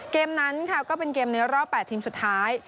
เกมนั้นค่ะก็เป็นเกมในรอบ๘ทีมสุดท้าย